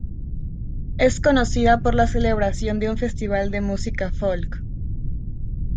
Es conocida por la celebración de un Festival de Música Folk.